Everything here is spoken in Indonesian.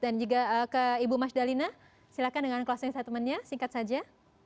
dan juga ke ibu mas dalina silakan dengan closing statementnya singkat saja